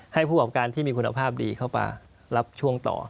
ให้ผู้ประกอบการที่มีคุณภาพดีเข้ามารับช่วงต่อ